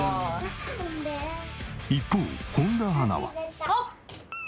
一方本田アナは。